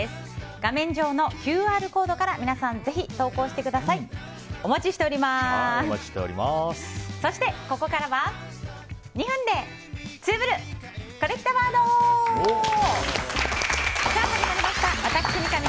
画面上のＱＲコードからぜひ皆さん、投稿してください。